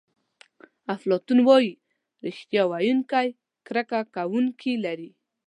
افلاطون وایي ریښتیا ویونکی کرکه کوونکي لري.